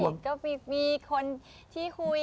ก็มีคนที่คุย